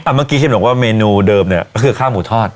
อ่ะเมื่อกี้ปิ๊บบอกเธอว่าเมนูเดิมเนี่ยคือข้ามงูทอด